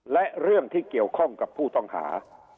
และเรื่องที่เกี่ยวข้องกับผู้ต้องหา